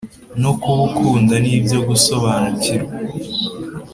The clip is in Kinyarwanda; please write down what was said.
no kubukunda ni byo gusobanukirwa.